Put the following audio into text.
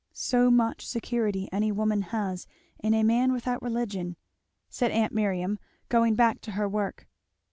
"So much security any woman has in a man without religion!" said aunt Miriam, going back to her work.